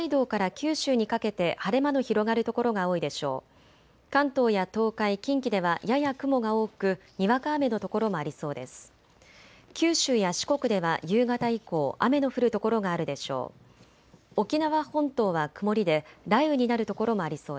九州や四国では夕方以降、雨の降る所があるでしょう。